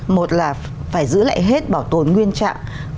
một là phải giữ lại hết bảo tồn nguyên trạng